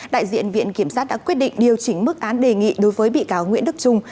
đại diện viện kiểm sát đã quyết định điều chỉnh mức án đề nghị đối với bị cáo nguyễn đức trung